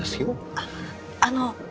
あっあの。